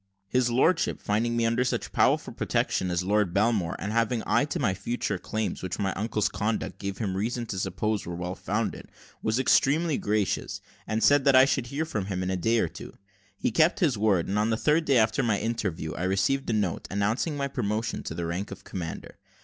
His lordship finding me under such powerful protection as Lord Belmore's, and having an eye to my future claims, which my uncle's conduct gave him reason to suppose were well founded, was extremely gracious, and said, that I should hear from him in a day or two. He kept his word, and on the third day after my interview, I received a note, announcing my promotion to the rank of commander.